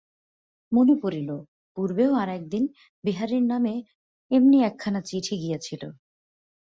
মনে পড়িল, পূর্বেও আর-একদিন বিহারীর নামে এমনি একখানা চিঠি গিয়াছিল।